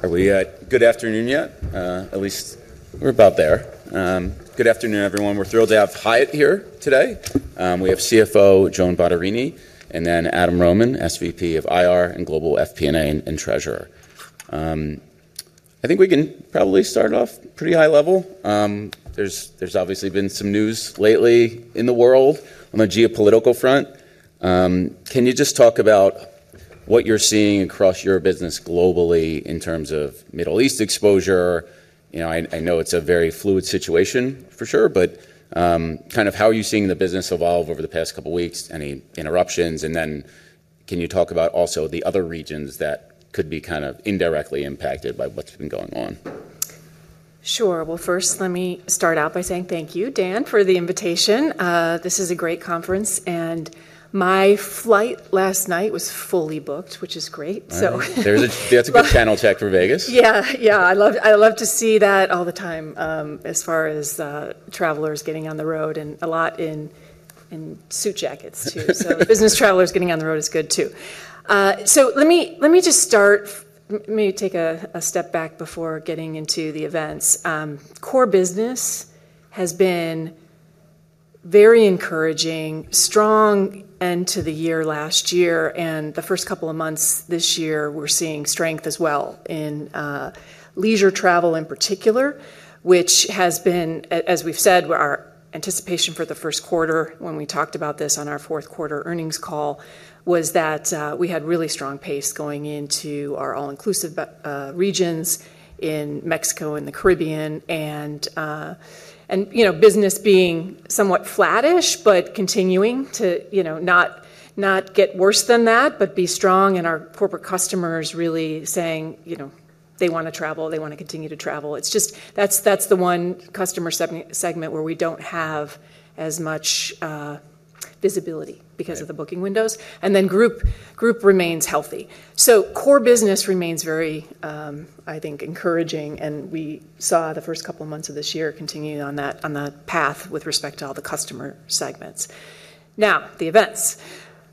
Are we at good afternoon yet? At least we're about there. Good afternoon, everyone. We're thrilled to have Hyatt here today. We have CFO Joan Bottarini, and then Adam Rohman, SVP of IR and Global FP&A and Treasurer. I think we can probably start off pretty high level. There's obviously been some news lately in the world on a geopolitical front. Can you just talk about what you're seeing across your business globally in terms of Middle East exposure? You know, I know it's a very fluid situation for sure, but kind of how are you seeing the business evolve over the past couple of weeks, any interruptions? Then can you talk about also the other regions that could be kind of indirectly impacted by what's been going on? Sure. Well, first, let me start out by saying thank you, Dan, for the invitation. This is a great conference, and my flight last night was fully booked, which is great. That's a good channel check for Vegas. Yeah. I love to see that all the time, as far as travelers getting on the road and a lot in suit jackets, too. Business travelers getting on the road is good, too. Let me take a step back before getting into the events. Core business has been very encouraging, strong end to the year last year, and the first couple of months this year. We're seeing strength as well in Leisure travel in particular, which has been as we've said, our anticipation for the first quarter when we talked about this on our fourth quarter earnings call was that we had really strong pace going into our all-inclusive regions in Mexico and the Caribbean, and you know, business being somewhat flattish, but continuing to you know, not get worse than that, but be strong and our corporate customers really saying you know, they wanna travel, they wanna continue to travel. It's just that that's the one customer segment where we don't have as much visibility because of the booking windows. Group remains healthy. Core business remains very, I think encouraging, and we saw the first couple of months of this year continuing on that, on that path with respect to all the customer segments. Now, the events.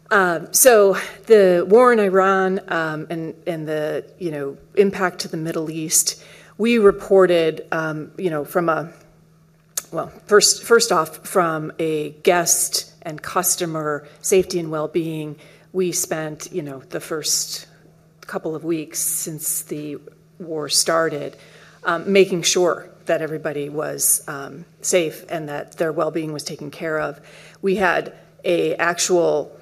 The war in Israel and the, you know, impact to the Middle East, we reported, you know, well, first off, from a guest and customer safety and well-being, we spent, you know, the first couple of weeks since the war started making sure that everybody was safe and that their well-being was taken care of. We had an actual,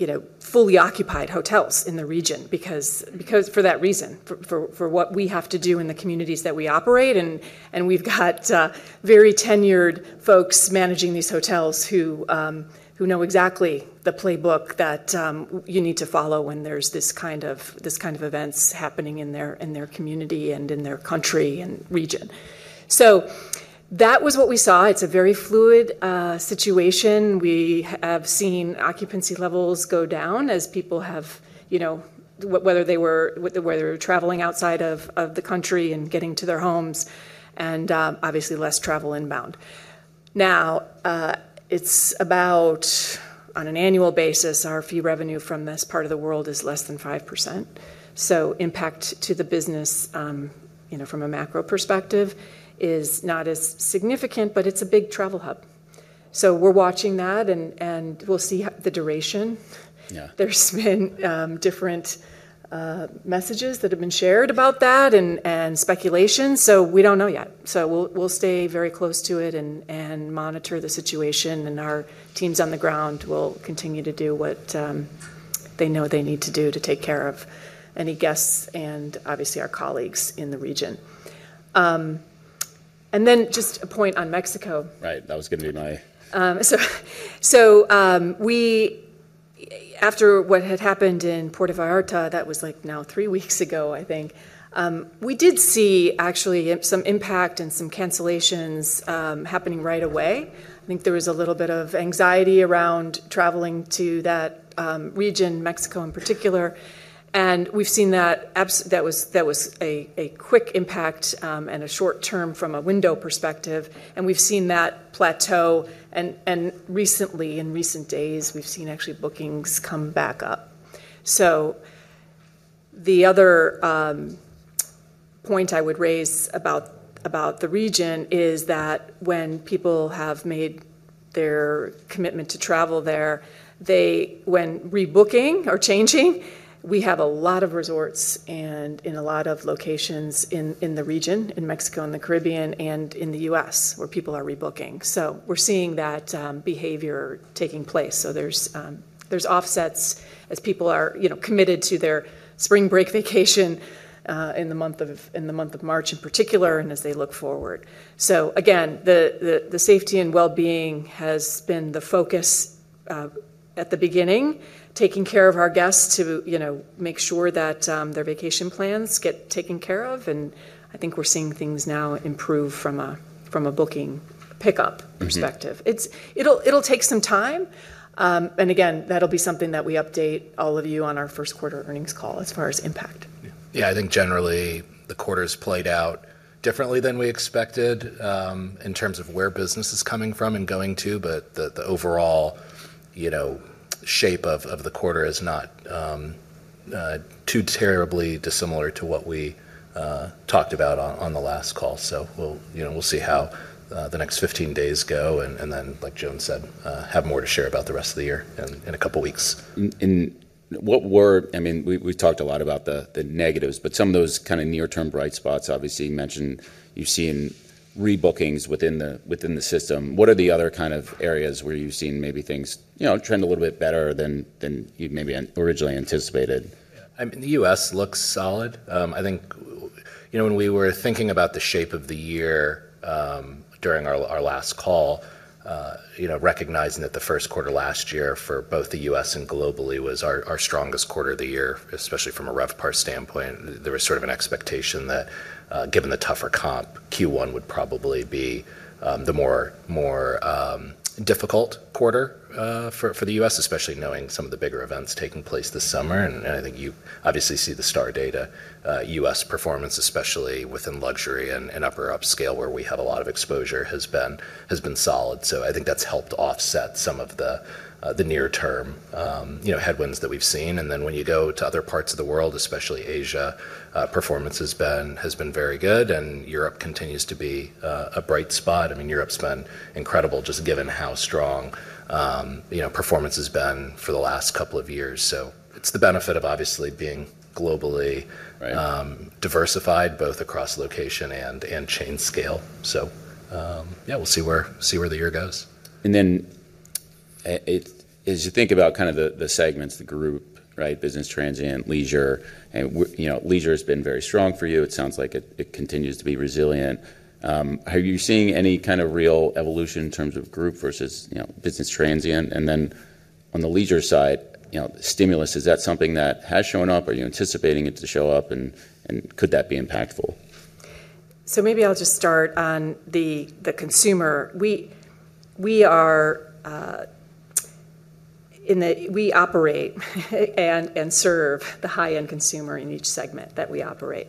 you know, fully occupied hotels in the region because for that reason, for what we have to do in the communities that we operate, and we've got very tenured folks managing these hotels who know exactly the playbook that you need to follow when there's this kind of events happening in their community and in their country and region. That was what we saw. It's a very fluid situation. We have seen occupancy levels go down as people have, you know, whether they were traveling outside of the country and getting to their homes and obviously less travel inbound. Now, it's about, on an annual basis, our fee revenue from this part of the world is less than 5%. Impact to the business, you know, from a macro perspective is not as significant, but it's a big travel hub. We're watching that and we'll see the duration. Yeah. There's been different messages that have been shared about that and speculation, so we don't know yet. We'll stay very close to it and monitor the situation, and our teams on the ground will continue to do what they know they need to do to take care of any guests and obviously our colleagues in the region. Just a point on Mexico. Right. After what had happened in Puerto Vallarta, that was like now three weeks ago, I think, we did see actually some impact and some cancellations happening right away. I think there was a little bit of anxiety around traveling to that region, Mexico in particular. We've seen that. That was a quick impact and a short term from a window perspective, and we've seen that plateau. Recently, in recent days, we've seen actually bookings come back up. The other point I would raise about the region is that when people have made their commitment to travel there, when rebooking or changing, we have a lot of resorts and in a lot of locations in the region, in Mexico and the Caribbean and in the U.S. where people are rebooking. We're seeing that behavior taking place. There's offsets as people are, you know, committed to their spring break vacation in the month of March, in particular, and as they look forward. Again, the safety and well-being has been the focus at the beginning, taking care of our guests to, you know, make sure that their vacation plans get taken care of. I think we're seeing things now improve from a booking pickup perspective. Mm-hmm. It'll take some time. Again, that'll be something that we update all of you on our first quarter earnings call as far as impact. Yeah. I think generally the quarter's played out differently than we expected, in terms of where business is coming from and going to, but the overall, you know. Shape of the quarter is not too terribly dissimilar to what we talked about on the last call. We'll, you know, see how the next 15 days go and then like Joan said have more to share about the rest of the year in a couple of weeks. I mean, we've talked a lot about the negatives, but some of those kind of near-term bright spots, obviously, you mentioned you've seen rebookings within the system. What are the other kind of areas where you've seen maybe things, you know, trend a little bit better than you maybe originally anticipated? The U.S. looks solid. I think, you know, when we were thinking about the shape of the year, during our last call, you know, recognizing that the first quarter last year for both the U.S. and globally was our strongest quarter of the year, especially from a RevPAR standpoint, there was sort of an expectation that, given the tougher comp, Q1 would probably be the more difficult quarter for the U.S., especially knowing some of the bigger events taking place this summer. I think you obviously see the STR data, U.S. performance, especially within luxury and upper upscale, where we have a lot of exposure has been solid. I think that's helped offset some of the near term, you know, headwinds that we've seen. Then when you go to other parts of the world, especially Asia, performance has been very good, and Europe continues to be a bright spot. I mean, Europe's been incredible just given how strong, you know, performance has been for the last couple of years. It's the benefit of obviously being globally- Right ...diversified both across location and chain scale. Yeah, we'll see where the year goes. As you think about kind of the segments, the group, right? Business Transient, Leisure, and you know, Leisure has been very strong for you. It sounds like it continues to be resilient. Are you seeing any kind of real evolution in terms of group versus, you know, Business Transient? And then on the Leisure side, you know, stimulus, is that something that has shown up? Are you anticipating it to show up and could that be impactful? Maybe I'll just start on the consumer. We operate and serve the high-end consumer in each segment that we operate.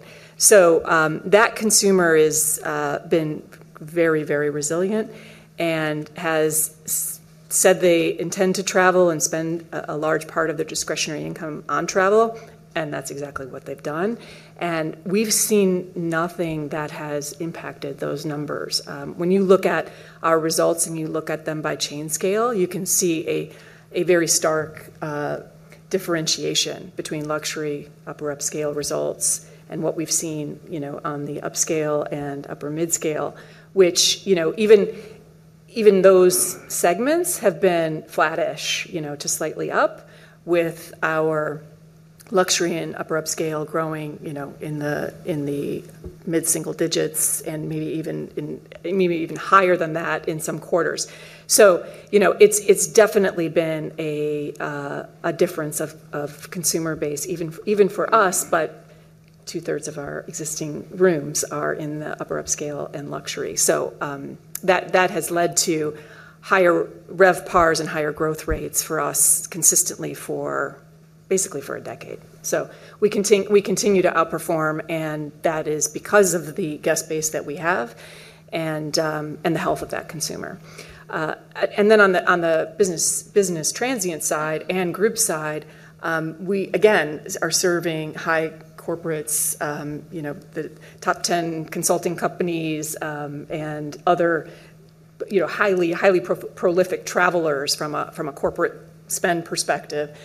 That consumer has been very resilient and has said they intend to travel and spend a large part of their discretionary income on travel, and that's exactly what they've done. We've seen nothing that has impacted those numbers. When you look at our results and you look at them by chain scale, you can see a very stark differentiation between luxury, upper upscale results and what we've seen, you know, on the upscale and upper mid-scale, which, you know, even those segments have been flattish, you know, to slightly up with our luxury and upper upscale growing, you know, in the mid-single digits and maybe even higher than that in some quarters. You know, it's definitely been a difference of consumer base even for us, but two-thirds of our existing rooms are in the upper upscale and luxury. That has led to higher RevPARs and higher growth rates for us consistently for basically a decade. We continue to outperform, and that is because of the guest base that we have and the health of that consumer. And then on the Business Transient side and group side, we again are serving high corporates, you know, the top 10 consulting companies, and other, you know, highly prolific travelers from a corporate spend perspective.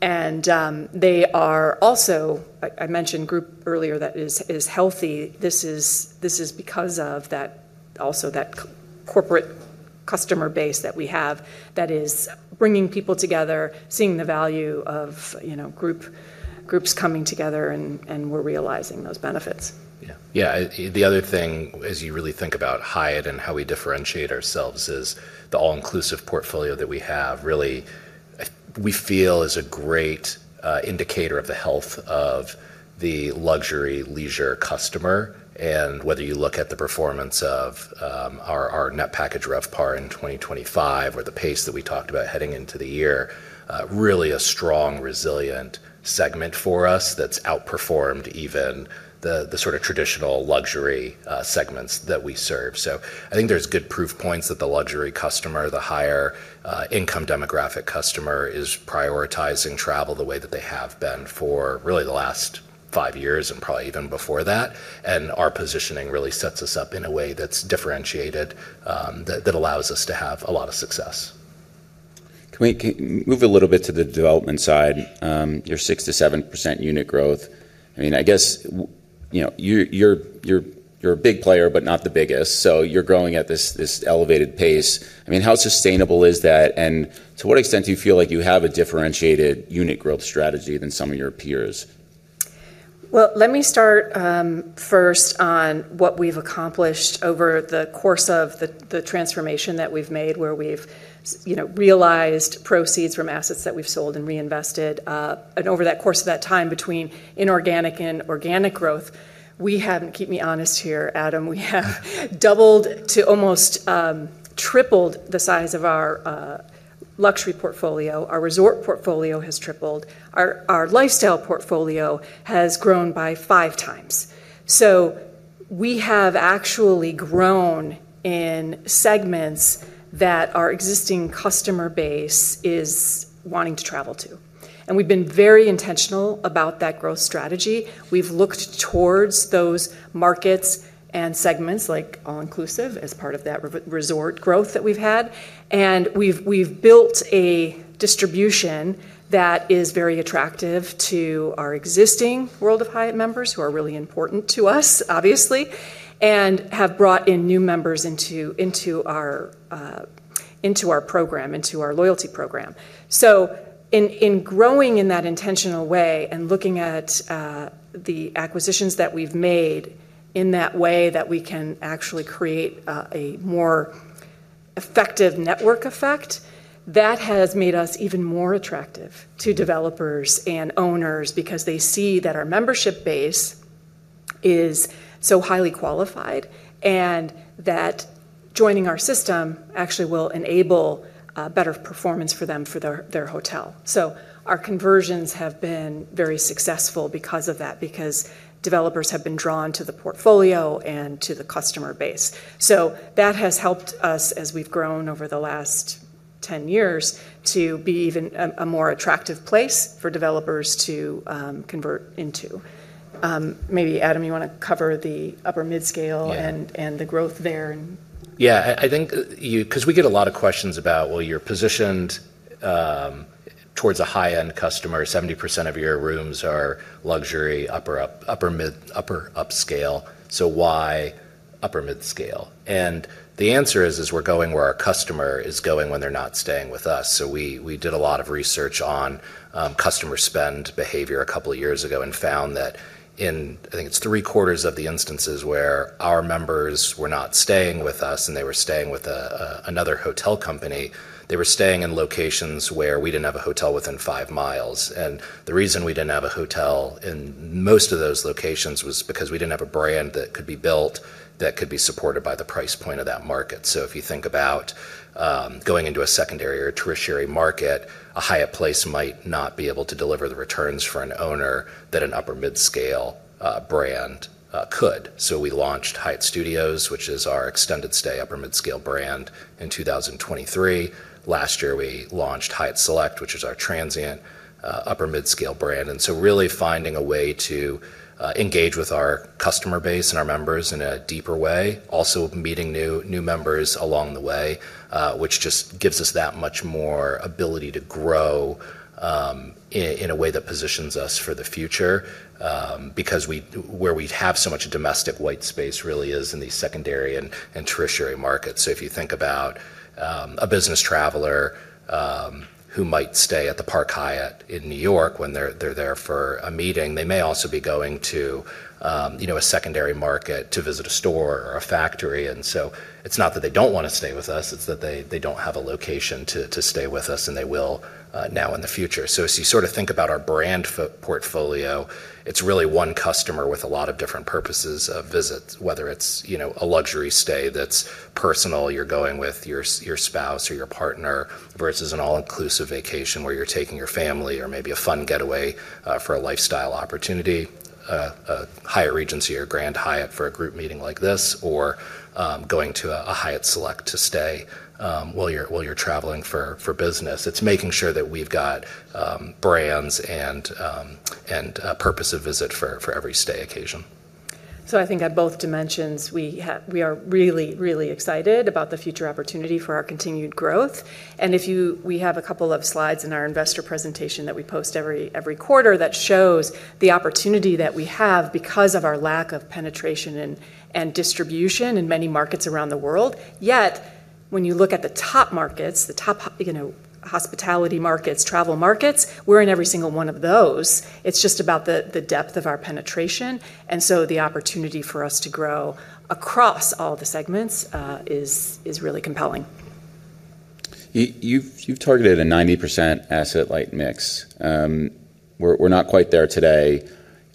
They are also. I mentioned group earlier that is healthy. This is because of that also that corporate customer base that we have that is bringing people together, seeing the value of, you know, groups coming together and we're realizing those benefits. Yeah. Yeah. The other thing as you really think about Hyatt and how we differentiate ourselves is the all-inclusive portfolio that we have really, we feel is a great indicator of the health of the luxury Leisure customer. Whether you look at the performance of our net package RevPAR in 2025 or the pace that we talked about heading into the year, really a strong, resilient segment for us that's outperformed even the sort of traditional luxury segments that we serve. I think there's good proof points that the luxury customer, the higher income demographic customer, is prioritizing travel the way that they have been for really the last five years and probably even before that. Our positioning really sets us up in a way that's differentiated, that allows us to have a lot of success. Can we move a little bit to the development side, your 6%-7% unit growth? I mean, I guess you know, you're a big player, but not the biggest, so you're growing at this elevated pace. I mean, how sustainable is that? To what extent do you feel like you have a differentiated unit growth strategy than some of your peers? Well, let me start first on what we've accomplished over the course of the transformation that we've made, where we've, you know, realized proceeds from assets that we've sold and reinvested. Over that course of that time between inorganic and organic growth, we have, and keep me honest here, Adam, we have doubled to almost tripled the size of our luxury portfolio. Our resort portfolio has tripled. Our lifestyle portfolio has grown by 5x. We have actually grown in segments that our existing customer base is wanting to travel to. We've been very intentional about that growth strategy. We've looked towards those markets and segments like all-inclusive as part of that resort growth that we've had. We've built a distribution that is very attractive to our existing World of Hyatt members, who are really important to us, obviously, and have brought in new members into our program, into our loyalty program. In growing in that intentional way and looking at the acquisitions that we've made in that way that we can actually create a more effective network effect, that has made us even more attractive to developers and owners because they see that our membership base is so highly qualified and that joining our system actually will enable better performance for them for their hotel. Our conversions have been very successful because of that, because developers have been drawn to the portfolio and to the customer base. That has helped us as we've grown over the last 10 years to be even a more attractive place for developers to convert into. Maybe Adam, you wanna cover the upper-midscale- Yeah ...the growth there. Yeah. I think 'cause we get a lot of questions about, well, you're positioned towards a high-end customer. 70% of your rooms are luxury, upper upscale, so why upper mid-scale? The answer is we're going where our customer is going when they're not staying with us. We did a lot of research on customer spend behavior a couple of years ago and found that in, I think it's three-quarters of the instances where our members were not staying with us, and they were staying in locations where we didn't have a hotel within five miles. The reason we didn't have a hotel in most of those locations was because we didn't have a brand that could be built that could be supported by the price point of that market. If you think about going into a secondary or tertiary market, a Hyatt Place might not be able to deliver the returns for an owner that an upper mid-scale brand could. We launched Hyatt Studios, which is our extended stay upper mid-scale brand in 2023. Last year, we launched Hyatt Select, which is our transient upper mid-scale brand. Really finding a way to engage with our customer base and our members in a deeper way, also meeting new members along the way, which just gives us that much more ability to grow in a way that positions us for the future. Where we have so much domestic white space really is in these secondary and tertiary markets. If you think about a business traveler who might stay at the Park Hyatt in New York when they're there for a meeting, they may also be going to, you know, a secondary market to visit a store or a factory. It's not that they don't wanna stay with us, it's that they don't have a location to stay with us, and they will now in the future. As you sort of think about our brand portfolio, it's really one customer with a lot of different purposes of visits, whether it's a luxury stay that's personal, you're going with your spouse or your partner, versus an all-inclusive vacation where you're taking your family or maybe a fun getaway for a lifestyle opportunity, a Hyatt Regency or Grand Hyatt for a group meeting like this, or going to a Hyatt Select to stay while you're traveling for business. It's making sure that we've got brands and purpose of visit for every stay occasion. I think at both dimensions, we are really, really excited about the future opportunity for our continued growth. We have a couple of slides in our investor presentation that we post every quarter that shows the opportunity that we have because of our lack of penetration and distribution in many markets around the world. Yet when you look at the top markets, you know, hospitality markets, travel markets, we're in every single one of those. It's just about the depth of our penetration. The opportunity for us to grow across all the segments is really compelling. You've targeted a 90% asset-light mix. We're not quite there today.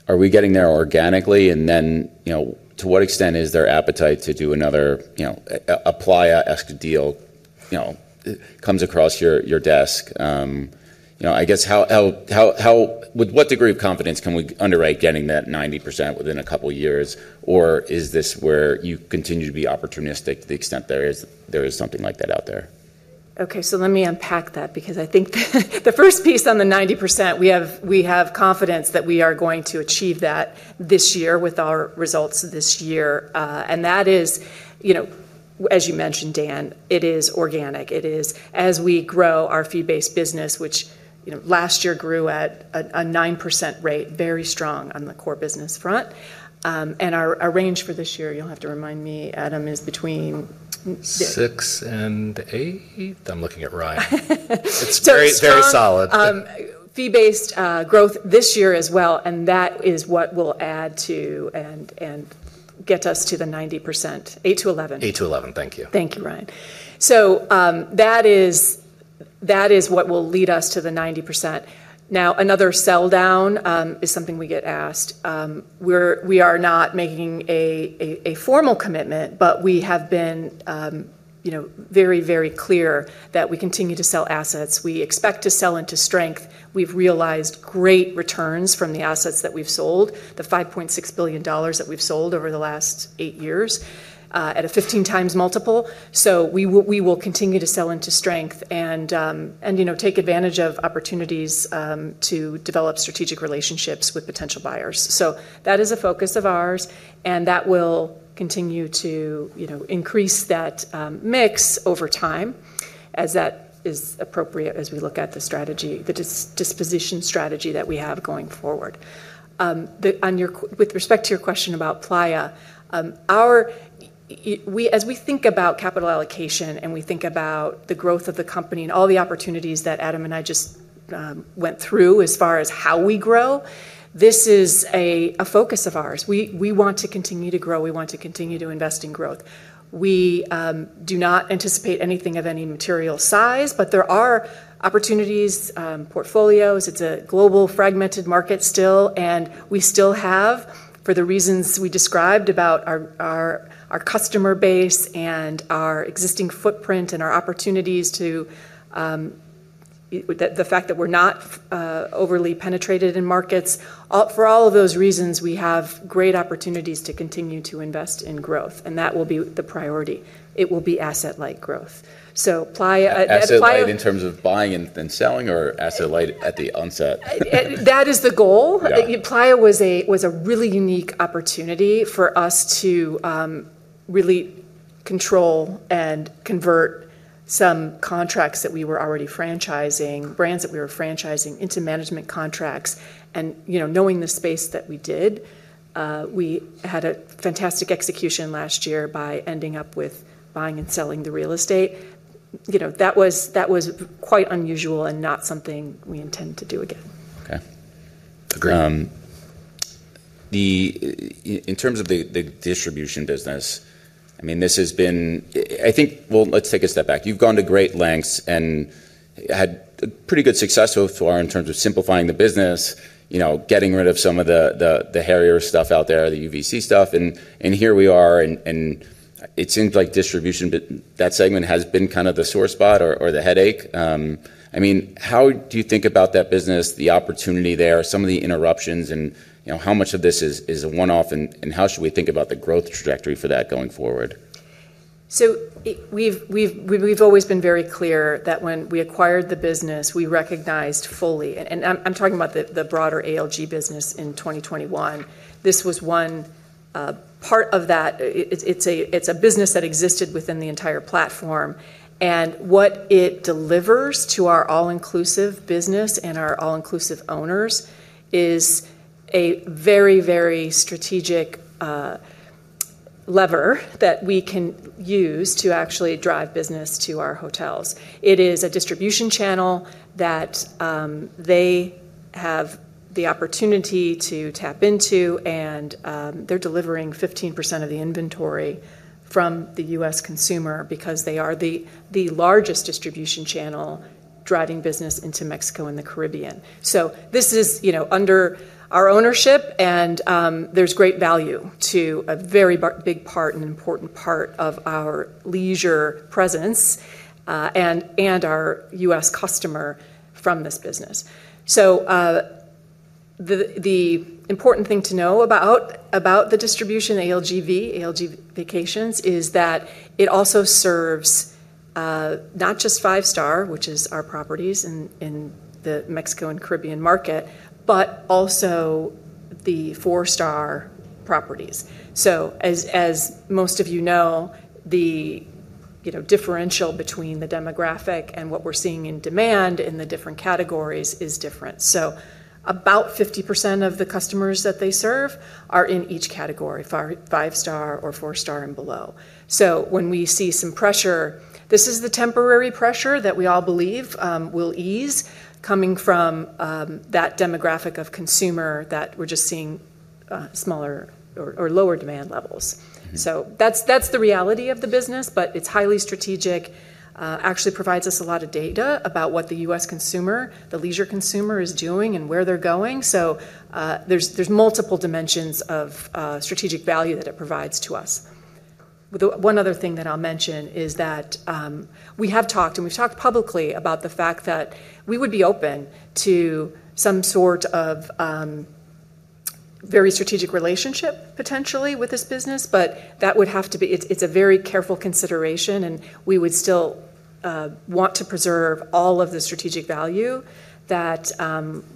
Are we getting there organically? You know, to what extent is there appetite to do another, you know, a Playa-esque deal, you know, comes across your desk? You know, I guess with what degree of confidence can we underwrite getting that 90% within a couple of years? Is this where you continue to be opportunistic to the extent there is something like that out there? Okay, let me unpack that because I think the first piece on the 90%, we have confidence that we are going to achieve that this year with our results this year. That is, you know, as you mentioned, Dan, it is organic. It is as we grow our fee-based business, which, you know, last year grew at a 9% rate, very strong on the core business front. Our range for this year, you'll have to remind me, Adam, is between six- 6% and 8%? I'm looking at Ryan. It's very, very solid. Strong fee-based growth this year as well, and that is what we'll add to and get us to the 90%. 8%-11%. 8%-11%. Thank you. Thank you, Ryan. That is what will lead us to the 90%. Now, another sell-down is something we get asked. We are not making a formal commitment, but we have been, you know, very clear that we continue to sell assets. We expect to sell into strength. We've realized great returns from the assets that we've sold, the $5.6 billion that we've sold over the last eight years at a 15x multiple. We will continue to sell into strength and, you know, take advantage of opportunities to develop strategic relationships with potential buyers. That is a focus of ours, and that will continue to, you know, increase that mix over time as that is appropriate as we look at the strategy, the disposition strategy that we have going forward. With respect to your question about Playa, we, as we think about capital allocation and we think about the growth of the company and all the opportunities that Adam and I just went through as far as how we grow, this is a focus of ours. We want to continue to grow. We want to continue to invest in growth. We do not anticipate anything of any material size, but there are opportunities, portfolios. It's a global fragmented market still, and we still have, for the reasons we described about our customer base and our existing footprint and our opportunities to the fact that we're not overly penetrated in markets. For all of those reasons, we have great opportunities to continue to invest in growth, and that will be the priority. It will be asset-light growth. Playa- Asset-light in terms of buying and then selling, or asset-light at the onset? That is the goal. Yeah. Playa was a really unique opportunity for us to really control and convert some contracts that we were already franchising, brands that we were franchising into management contracts. You know, knowing the space that we did, we had a fantastic execution last year by ending up with buying and selling the real estate. You know, that was quite unusual and not something we intend to do again. Okay. Agreed. In terms of the distribution business, I mean, this has been. Well, let's take a step back. You've gone to great lengths and had pretty good success so far in terms of simplifying the business, you know, getting rid of some of the hairier stuff out there, the UVC stuff. Here we are, and it seems like that segment has been kind of the sore spot or the headache. I mean, how do you think about that business, the opportunity there, some of the interruptions, and, you know, how much of this is a one-off, and how should we think about the growth trajectory for that going forward? We've always been very clear that when we acquired the business, we recognized fully, and I'm talking about the broader ALG business in 2021. This was one part of that. It's a business that existed within the entire platform. What it delivers to our all-inclusive business and our all-inclusive owners is a very strategic lever that we can use to actually drive business to our hotels. It is a distribution channel that they have the opportunity to tap into, and they're delivering 15% of the inventory from the U.S. consumer because they are the largest distribution channel driving business into Mexico and the Caribbean. This is, you know, under our ownership, and there's great value to a very big part and important part of our Leisure presence, and our U.S. customer from this business. The important thing to know about the distribution, ALG Vacations, is that it also serves not just five-star, which is our properties in the Mexico and Caribbean market, but also the four-star properties. As most of you know, you know, the differential between the demographic and what we're seeing in demand in the different categories is different. About 50% of the customers that they serve are in each category, five-star or four-star and below. When we see some pressure, this is the temporary pressure that we all believe will ease coming from that demographic of consumer that we're just seeing smaller or lower demand levels. Mm-hmm. That's the reality of the business, but it's highly strategic, actually provides us a lot of data about what the U.S. consumer, the Leisure consumer is doing and where they're going. There's multiple dimensions of strategic value that it provides to us. The one other thing that I'll mention is that we have talked, and we've talked publicly about the fact that we would be open to some sort of very strategic relationship potentially with this business, but that would have to be. It's a very careful consideration, and we would still want to preserve all of the strategic value that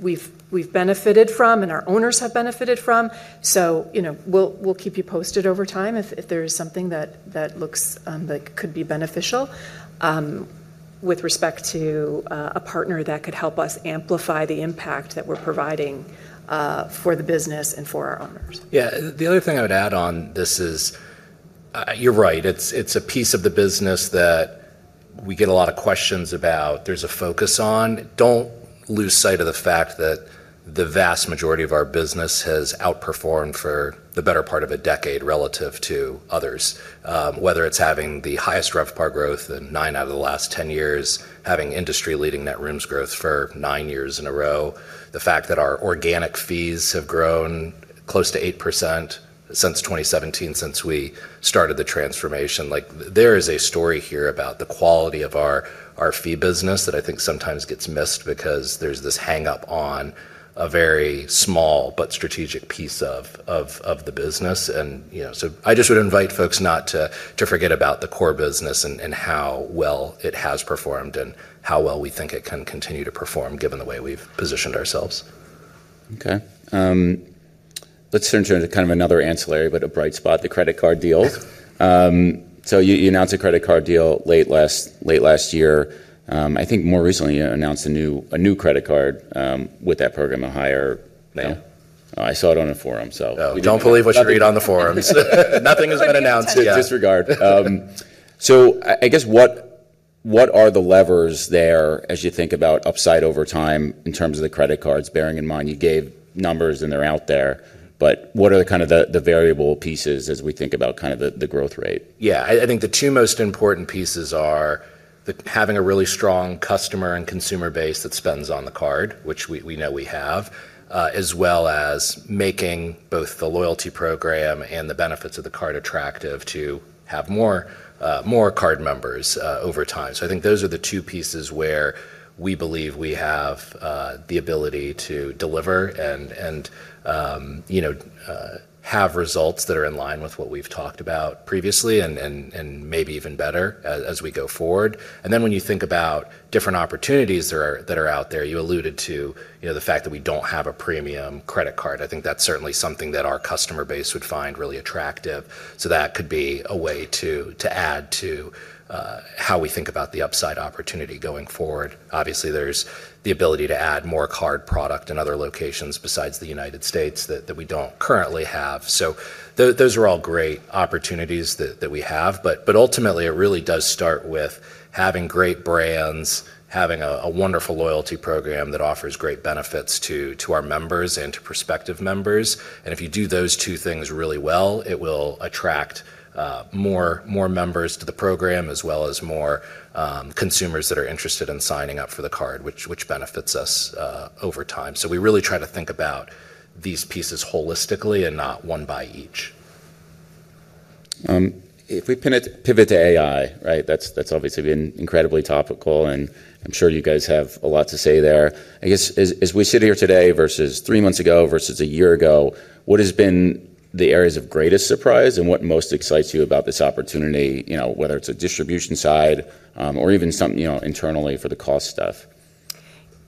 we've benefited from and our owners have benefited from. You know, we'll keep you posted over time if there's something that looks that could be beneficial with respect to a partner that could help us amplify the impact that we're providing for the business and for our owners. Yeah. The other thing I would add on this is, you're right. It's a piece of the business that We get a lot of questions about. There's a focus on. Don't lose sight of the fact that the vast majority of our business has outperformed for the better part of a decade relative to others, whether it's having the highest RevPAR growth in nine out of the last 10 years, having industry-leading Net Rooms Growth for nine years in a row, the fact that our organic fees have grown close to 8% since 2017 since we started the transformation. Like, there is a story here about the quality of our fee business that I think sometimes gets missed because there's this hang-up on a very small but strategic piece of the business. You know, I just would invite folks not to forget about the core business and how well it has performed and how well we think it can continue to perform given the way we've positioned ourselves. Okay. Let's turn to kind of another ancillary but a bright spot, the credit card deal. You announced a credit card deal late last year. I think more recently you announced a new credit card with that program, a higher- Yeah. Oh, I saw it on a forum. No, don't believe what you read on the forums. Nothing has been announced yet. I guess what are the levers there as you think about upside over time in terms of the credit cards, bearing in mind you gave numbers and they're out there, but what are kind of the variable pieces as we think about kind of the growth rate? Yeah. I think the two most important pieces are having a really strong customer and consumer base that spends on the card, which we know we have, as well as making both the loyalty program and the benefits of the card attractive to have more card members over time. I think those are the two pieces where we believe we have the ability to deliver and you know have results that are in line with what we've talked about previously and maybe even better as we go forward. Then when you think about different opportunities that are out there, you alluded to you know the fact that we don't have a premium credit card. I think that's certainly something that our customer base would find really attractive, so that could be a way to add to how we think about the upside opportunity going forward. Obviously, there's the ability to add more card product in other locations besides the United States that we don't currently have. Those are all great opportunities that we have, but ultimately it really does start with having great brands, having a wonderful loyalty program that offers great benefits to our members and to prospective members. If you do those two things really well, it will attract more members to the program as well as more consumers that are interested in signing up for the card, which benefits us over time. We really try to think about these pieces holistically and not one by one. If we pivot to AI, right? That's obviously been incredibly topical, and I'm sure you guys have a lot to say there. I guess as we sit here today versus three months ago versus a year ago, what has been the areas of greatest surprise and what most excites you about this opportunity, you know, whether it's the distribution side, or even something, you know, internally for the cost stuff?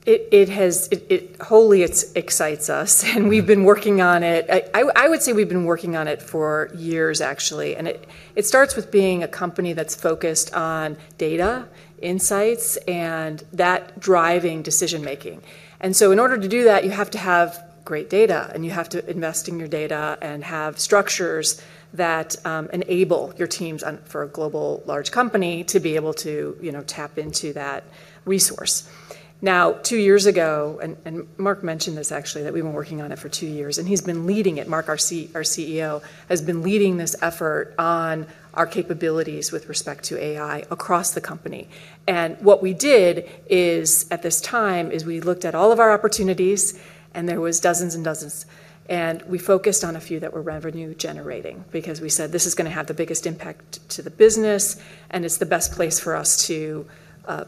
It wholly excites us, and we've been working on it. I would say we've been working on it for years actually, and it starts with being a company that's focused on data insights and that driving decision-making. In order to do that, you have to have great data, and you have to invest in your data and have structures that enable your teams for a global large company to be able to, you know, tap into that resource. Now, two years ago, Mark mentioned this actually, that we've been working on it for two years, and he's been leading it. Mark, our CEO, has been leading this effort on our capabilities with respect to AI across the company. What we did is, at this time, we looked at all of our opportunities, and there was dozens and dozens, and we focused on a few that were revenue-generating because we said, "This is gonna have the biggest impact to the business, and it's the best place for us to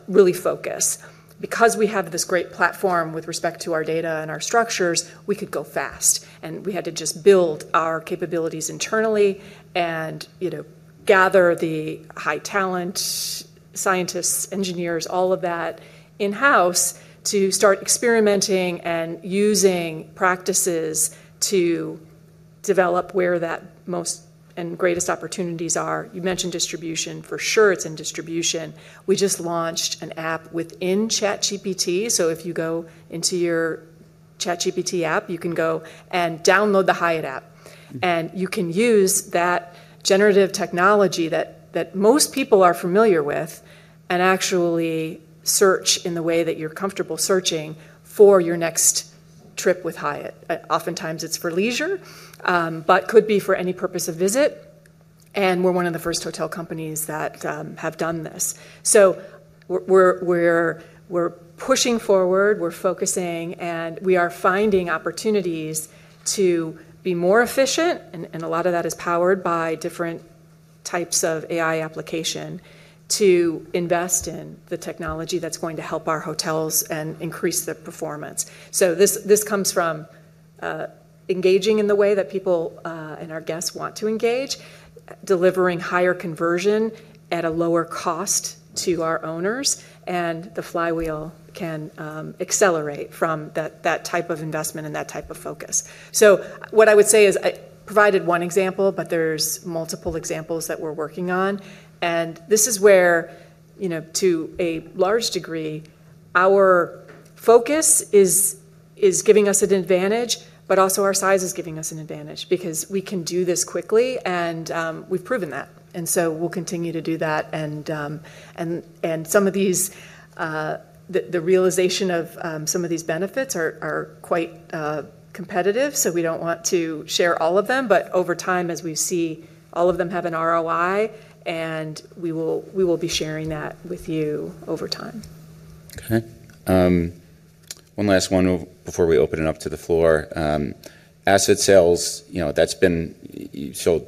really focus." Because we have this great platform with respect to our data and our structures, we could go fast, and we had to just build our capabilities internally and, you know, gather the high talent scientists, engineers, all of that in-house to start experimenting and using practices to develop where that most and greatest opportunities are. You mentioned distribution. For sure it's in distribution. We just launched an app within ChatGPT. If you go into your ChatGPT app, you can go and download the Hyatt app, and you can use that generative technology that most people are familiar with and actually search in the way that you're comfortable searching for your next trip with Hyatt. Oftentimes it's for Leisure, but could be for any purpose of visit, and we're one of the first hotel companies that have done this. We're pushing forward, we're focusing, and we are finding opportunities to be more efficient, and a lot of that is powered by different types of AI application to invest in the technology that's going to help our hotels and increase their performance. This comes from engaging in the way that people and our guests want to engage, delivering higher conversion at a lower cost to our owners, and the flywheel can accelerate from that type of investment and that type of focus. What I would say is I provided one example, but there's multiple examples that we're working on, and this is where, you know, to a large degree, our focus is giving us an advantage, but also our size is giving us an advantage because we can do this quickly, and we've proven that. We'll continue to do that, and some of these, the realization of some of these benefits are quite competitive, so we don't want to share all of them. Over time, as we see all of them have an ROI, and we will be sharing that with you over time. Okay. One last one before we open it up to the floor. Asset sales, you know, that's been. You sold,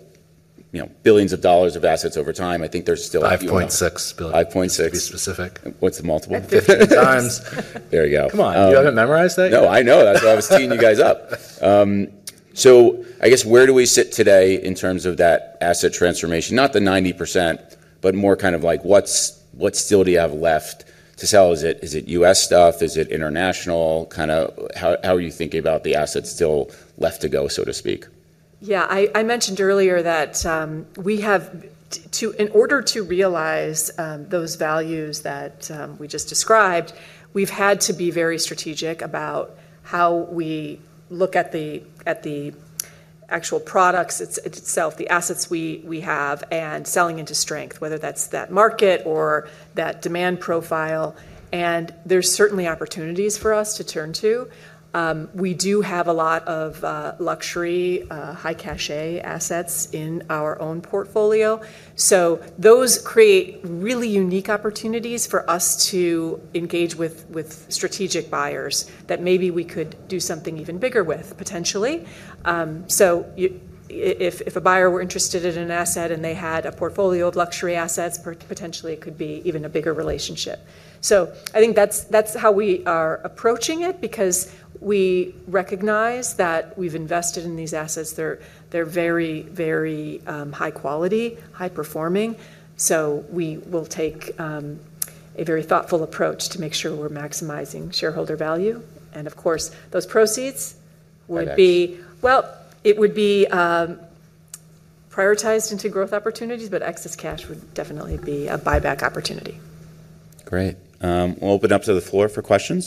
you know, billions of dollars of assets over time. I think there's still $5.6 billion. To be specific. What's the multiple? 15x. There you go. Come on, you don't have it memorized yet? No, I know. That's why I was teeing you guys up. I guess where do we sit today in terms of that asset transformation? Not the 90%, but more kind of like, what's, what still do you have left to sell? Is it, is it U.S. stuff? Is it international? Kinda how are you thinking about the assets still left to go, so to speak? Yeah. I mentioned earlier that we have to. In order to realize those values that we just described, we've had to be very strategic about how we look at the actual products itself, the assets we have, and selling into strength, whether that's that market or that demand profile. There's certainly opportunities for us to turn to. We do have a lot of luxury high cachet assets in our own portfolio, so those create really unique opportunities for us to engage with strategic buyers that maybe we could do something even bigger with potentially. So if a buyer were interested in an asset and they had a portfolio of luxury assets, potentially it could be even a bigger relationship. I think that's how we are approaching it because we recognize that we've invested in these assets. They're very high quality, high performing, so we will take a very thoughtful approach to make sure we're maximizing shareholder value. Of course, those proceeds would be- Buybacks. Well, it would be prioritized into growth opportunities, but excess cash would definitely be a buyback opportunity. Great. We'll open it up to the floor for questions.